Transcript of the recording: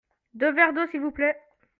Deux verres d'eau s'il vous plait.